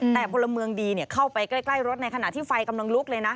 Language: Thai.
แต่พลเมืองดีเข้าไปใกล้รถในขณะที่ไฟกำลังลุกเลยนะ